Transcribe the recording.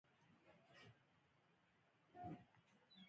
لکه داو کې چې بایلي دا ځینې مینې